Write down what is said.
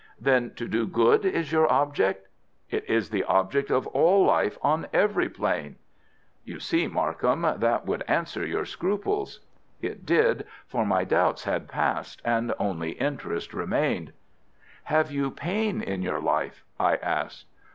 "Then to do good is your object?" "It is the object of all life on every plane." "You see, Markham, that should answer your scruples." It did, for my doubts had passed and only interest remained. "Have you pain in your life?" I asked.